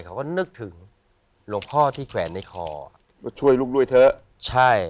เขาก็นึกถึงหลวงพ่อที่แขวนในคอช่วยลูกด้วยเถอะใช่